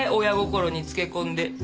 親心につけ込んで。